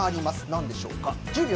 なんでしょうか。